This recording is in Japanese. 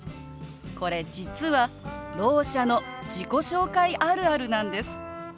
これ実はろう者の自己紹介あるあるなんです。